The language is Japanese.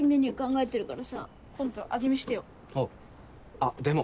あっでも。